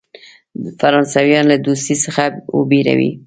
فرانسویانو له دوستی څخه وبېروي.